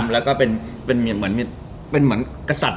แล้วยังเป็นเหมือนกษัตริย์